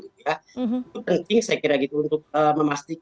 itu penting saya kira gitu untuk memastikan